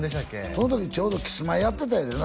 その時ちょうどキスマイやってたんやてな